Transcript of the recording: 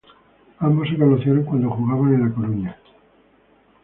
Ambos se conocieron cuando jugaban en La Coruña.